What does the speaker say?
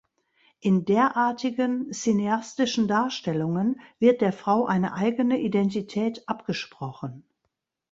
In derartigen cineastischen Darstellungen wird der Frau eine eigene Identität abgesprochen.